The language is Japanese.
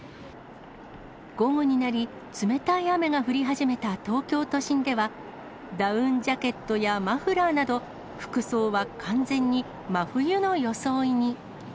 午後になり、冷たい雨が降り始めた東京都心では、ダウンジャケットやマフラーなど、服装は完全に真冬の装いに。